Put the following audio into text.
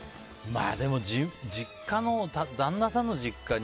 でも、旦那さんの実家に。